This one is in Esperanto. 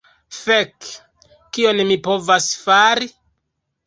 Fek! Kion mi povas fari?